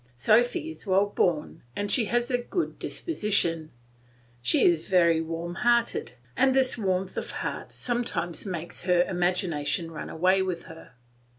Sophy is well born and she has a good disposition; she is very warm hearted, and this warmth of heart sometimes makes her imagination run away with her.